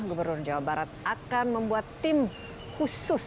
gubernur jawa barat akan membuat tim khusus